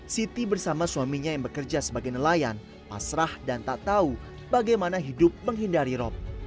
siti bersama suaminya yang bekerja sebagai nelayan pasrah dan tak tahu bagaimana hidup menghindari rop